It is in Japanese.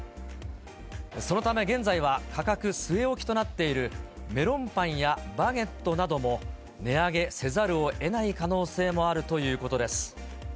そのため現在は価格据え置きとなっているメロンパンやバゲットなども値上げせざるをえない可能性もあるということです。